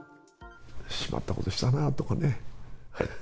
しまったことしたなあとかね。